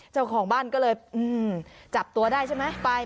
เจ้าของบ้านก็เลยจับตัวได้ใช่ไหมไป